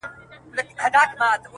یوه قلا ده ورته یادي افسانې دي ډیري-